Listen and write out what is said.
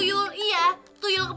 jangan lupa bu